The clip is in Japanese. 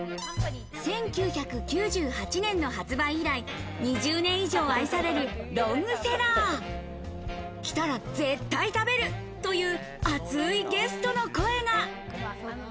１９９８年の発売以来、２０年以上愛されるロングセラー。来たら絶対食べるという熱いゲストの声が。